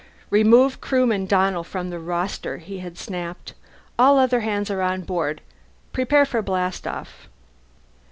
"Remove Crewman Donnell from the roster," he had snapped. "All other hands are on board. Prepare for blastoff."